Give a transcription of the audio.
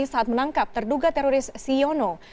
saat menangkap terduga teroris siono